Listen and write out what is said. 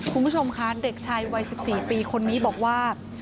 คุณผู้ชมคะเด็กชายวัย๑๔ปีคนนี้บอกว่า